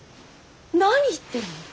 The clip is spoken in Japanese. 何言ってるの。